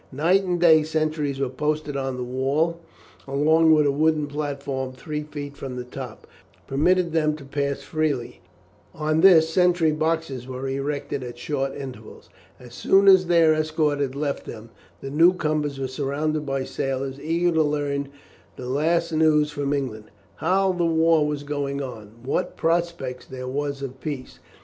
Night and day sentries were posted on the wall, along which a wooden platform, three feet from the top, permitted them to pass freely; on this sentry boxes were erected at short intervals. As soon as their escort had left them, the newcomers were surrounded by sailors eager to learn the last news from England how the war was going on, and what prospect there was of peace.